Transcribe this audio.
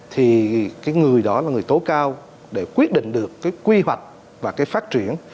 thì cái người đó là người tố cao để quyết định được cái quy hoạch và cái phát triển